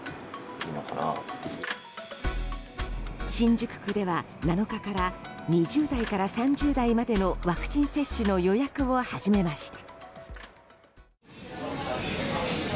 新宿区では７日から２０代から３０代までのワクチン接種の予約を始めました。